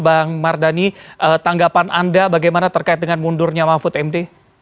bang mardhani tanggapan anda bagaimana terkait dengan mundurnya mahfud md